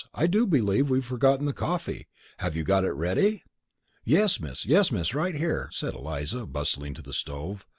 I do believe we've forgotten the coffee! Have you got it ready?" "Yes, Miss; yes, Miss; right here," said Eliza, bustling to the stove.